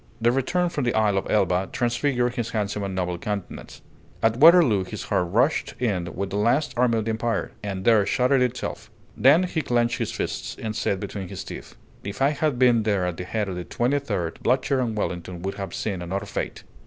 The return from the Isle of Elba transfigured his handsome and noble countenance; at Waterloo his heart rushed in with the last army of the Empire, and there shattered itself. Then he clenched his fists and said between his teeth, "If I had been there at the head of the Twenty Third, Blücher and Wellington would have seen another fate!"